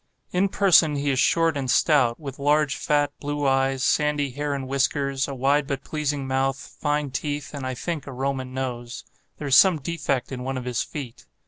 In person, he is short and stout, with large, fat, blue eyes, sandy hair and whiskers, a wide but pleasing mouth, fine teeth, and I think a Roman nose. There is some defect in one of his feet.